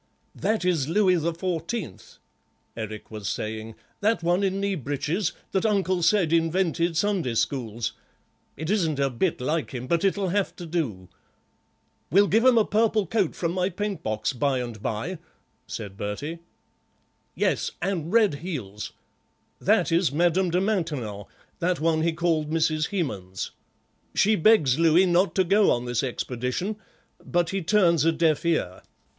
"That is Louis the Fourteenth," Eric was saying, "that one in knee breeches, that Uncle said invented Sunday schools. It isn't a bit like him, but it'll have to do." "We'll give him a purple coat from my paintbox by and by," said Bertie. "Yes, an' red heels. That is Madame de Maintenon, that one he called Mrs. Hemans. She begs Louis not to go on this expedition, but he turns a deaf ear.